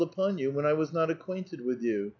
231 upon you when I was not acquainted with you ?